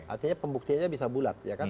artinya pembuktiannya bisa bulat ya kan